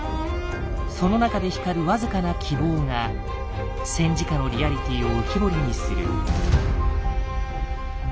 その中で光る僅かな希望が戦時下のリアリティーを浮き彫りにする。